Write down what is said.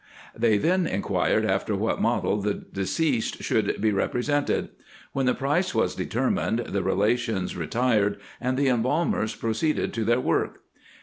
They then inquired after which model the deceased should be represented. When the price was deter mined, the relations retired, and the embalmers proceeded in their work.